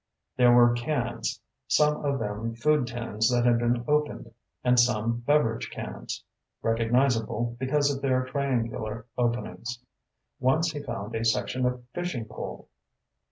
There were cans, some of them food tins that had been opened, and some beverage cans, recognizable because of their triangular openings. Once he found a section of fishing pole.